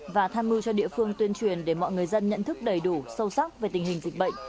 và tham mưu cho địa phương tuyên truyền để mọi người dân nhận thức đầy đủ sâu sắc về tình hình dịch bệnh